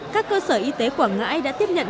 các cơ sở y tế quảng ngãi đã tiếp nhận